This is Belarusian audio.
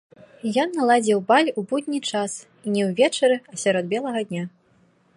Ён наладзіў баль у будні час і не ўвечары, а сярод белага дня.